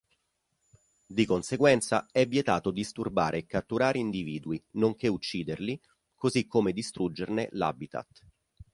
Di conseguenza è vietato disturbare e catturare individui, nonché ucciderli, così come distruggerne l’habitat.